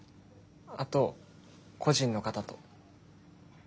あと故人の方と。